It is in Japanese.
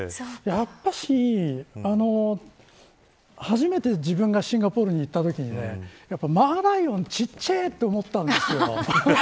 やっぱり、初めて自分がシンガポールに行ったときにマーライオン小さいと思ったんですよ。